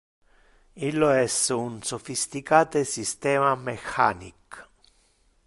Illo es un sophisticate systema mechanic!